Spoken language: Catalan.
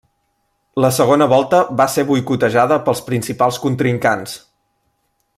La segona volta va ser boicotejada pels principals contrincants.